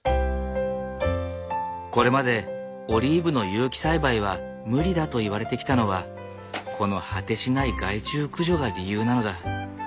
これまでオリーブの有機栽培は無理だといわれてきたのはこの果てしない害虫駆除が理由なのだ。